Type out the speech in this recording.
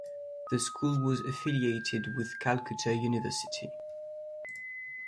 The school was affiliated with Calcutta University.